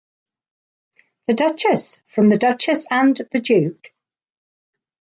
"The Duchess" from The Duchess and The Duke!